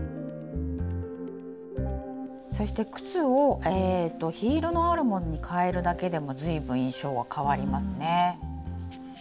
そして靴をヒールのあるものに変えるだけでも随分印象は変わりますね。